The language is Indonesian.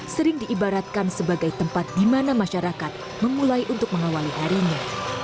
sering diibaratkan sebagai tempat di mana masyarakat memulai untuk mengawali harinya